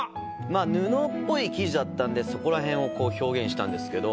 まあ布っぽい生地だったんでそこらへんをこう表現したんですけど。